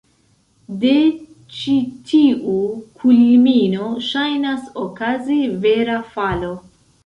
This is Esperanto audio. De ĉi tiu kulmino ŝajnas okazi vera falo.